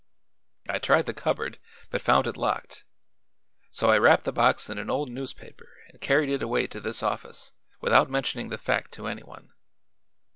I tried the cupboard, but found it locked; so I wrapped the box in an old newspaper and carried it away to this office, without mentioning the fact to anyone.